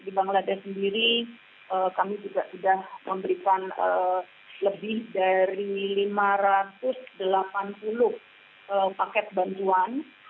di bangladesh sendiri kami juga sudah memberikan lebih dari lima ratus delapan puluh paket bantuan